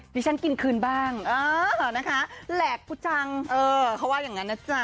เพราะว่าอย่างงั้นน่ะจ้ะ